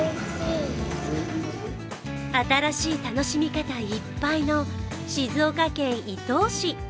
新しい楽しみ方いっぱいの静岡県伊東市。